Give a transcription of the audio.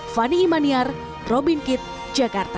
fani imaniar robin kitt jakarta